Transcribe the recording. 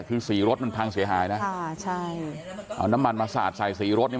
คือสีรถมันพังเสียหายนะค่ะใช่เอาน้ำมันมาสาดใส่สีรถเนี่ย